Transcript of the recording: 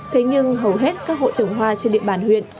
thế nhưng hầu hết các hộ trồng hoa trên địa bàn huyện